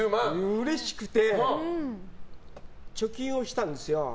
うれしくて貯金をしたんですよ。